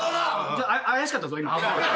怪しかったぞ今。